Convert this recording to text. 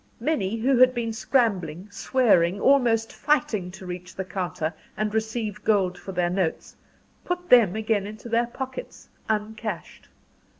Many who had been scrambling, swearing, almost fighting, to reach the counter and receive gold for their notes, put them again into their pockets, uncashed.